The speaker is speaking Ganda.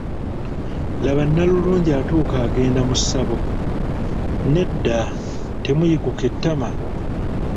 Laba nnalulungi atuuka agenda mu ssabo, nedda temuyiguka ettama!